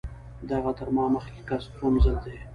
دغه تر ما مخکې کس څووم ځل دی.